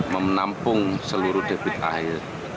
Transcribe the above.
memenampung seluruh debit air